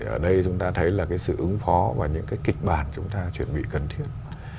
ở đây chúng ta thấy là cái sự ứng phó và những cái kịch bản chúng ta chuẩn bị cần thiết